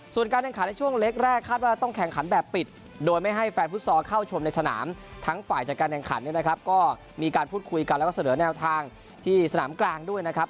ส่วนการแข่งขันในช่วงเล็กแรกคาดว่าต้องแข่งขันแบบปิดโดยไม่ให้แฟนฟุตซอลเข้าชมในสนามทั้งฝ่ายจัดการแข่งขันเนี่ยนะครับก็มีการพูดคุยกันแล้วก็เสนอแนวทางที่สนามกลางด้วยนะครับ